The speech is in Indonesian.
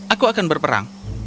aku akan berperang